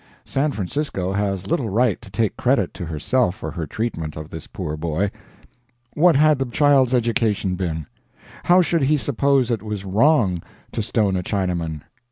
San Francisco has little right to take credit to herself for her treatment of this poor boy. What had the child's education been? How should he suppose it was wrong to stone a Chinaman?